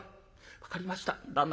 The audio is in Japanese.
分かりました旦那。